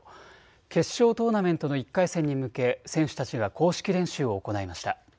決勝トーナメントの１回戦に向け選手たちが公式練習を行いました。